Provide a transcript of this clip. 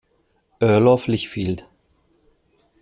Earl of Lichfield.